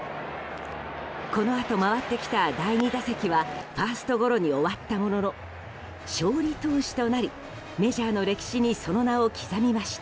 このあと回ってきた第２打席はファーストゴロに終わったものの勝利投手となりメジャーの歴史にその名を刻みました。